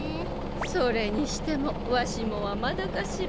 それにしてもわしもはまだかしら。